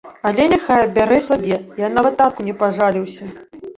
Але няхай бярэ сабе, я нават татку не пажаліўся.